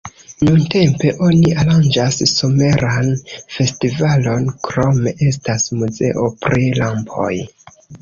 Nuntempe oni aranĝas someran festivalon, krome estas muzeo pri lampoj.